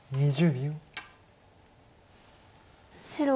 ２０秒。